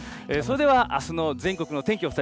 それではあすの全国の天気